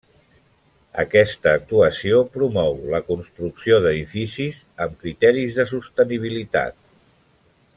Aquesta actuació promou la construcció d’edificis amb criteris de sostenibilitat.